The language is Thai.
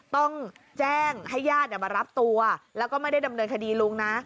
ต้องแจ้งให้ญาติมารับตัวแล้วก็ไม่ได้ดำเนินคดีลุงนะ